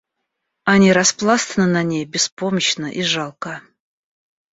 Они распластаны на ней беспомощно и жалко.